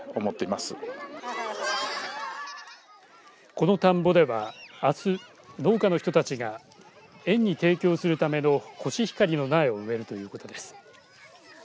この田んぼではあす、農家の人たちが園に提供するためのコシヒカリの苗を植えるということです。